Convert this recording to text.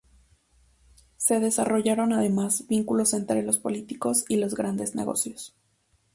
Se desarrollaron además vínculos entre los políticos y los grandes negocios.